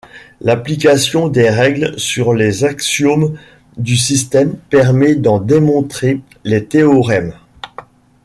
L'application des règles sur les axiomes du système permet d'en démontrer les théorèmes.